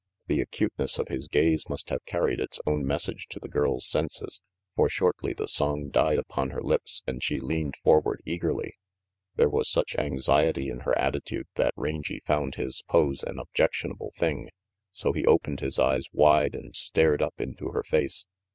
The acuteness of his gaze must have carried its own message to the girl's senses, for shortly the song died upon her lips and she leaned forward eagerly. There was such anxiety in her attitude that Rangy found his pose an objectionable thing. So he opened his eyes wide and stared up into her face.